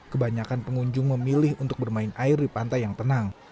kebanyakan pengunjung memilih untuk bermain air di pantai yang tenang